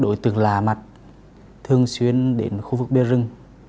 đối tượng lạ mặt thường xuyên đến khu vực bia rừng